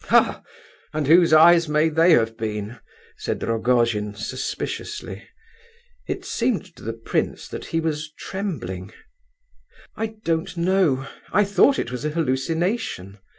"Ha! and whose eyes may they have been?" said Rogojin, suspiciously. It seemed to the prince that he was trembling. "I don't know; I thought it was a hallucination.